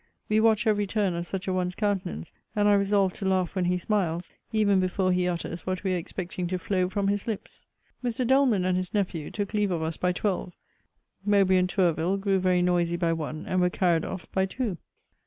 We watch every turn of such a one's countenance, and are resolved to laugh when he smiles, even before he utters what we are expecting to flow from his lips. Mr. Doleman and his nephew took leave of us by twelve, Mowbray and Tourville grew very noisy by one, and were carried off by two.